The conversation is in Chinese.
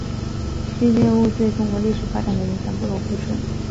旭烈兀对中国历史发展的影响不容忽视。